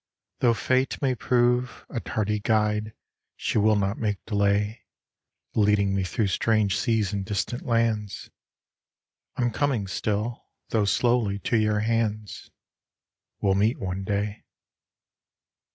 Though Fate may prove A tardy guide she will not make delay Leading me through strange seas and distant lands, I'm coming still, though slowly, to your hands. We'll meet one day.